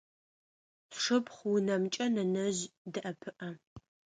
Сшыпхъу унэмкӏэ нэнэжъ дэӏэпыӏэ.